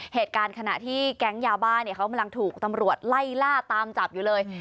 เหตุการณ์ขณะที่แก๊งยาบ้าเนี่ยเขากำลังถูกตำรวจไล่ล่าตามจับอยู่เลย